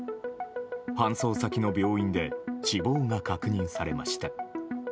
搬送先の病院で死亡が確認されました。